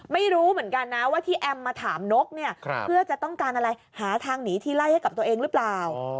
ไม่รู้เหมือนกันนะว่าที่แอมมาถามนกเนี่ยเพื่อจะต้องการอะไรหาทางหนีที่ไล่ให้กับตัวเองหรือเปล่า